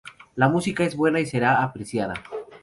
La música es buena y será apreciada.